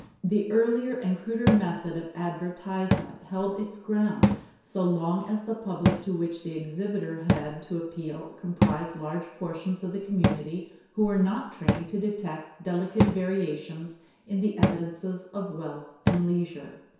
The earlier and cruder method of advertisement held its ground so long as the public to which the exhibitor had to appeal comprised large portions of the community who were not trained to detect delicate variations in the evidences of wealth and leisure.